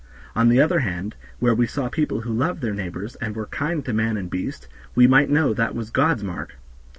On the other hand, where we saw people who loved their neighbors, and were kind to man and beast, we might know that was God's mark."